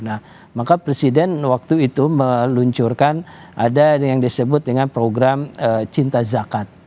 nah maka presiden waktu itu meluncurkan ada yang disebut dengan program cinta zakat